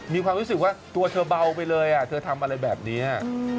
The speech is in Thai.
มีความรู้สึกว่าตัวเธอเบาไปเลยเธอทำอะไรแบบนี้